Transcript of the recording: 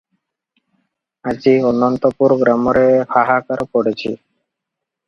ଆଜି ଅନନ୍ତପୁର ଗ୍ରାମରେ ହାହାକାର ପଡ଼ିଛି ।